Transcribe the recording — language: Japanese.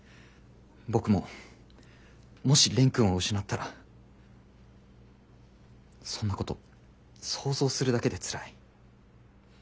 僕ももし蓮くんを失ったらそんなこと想像するだけでつらい。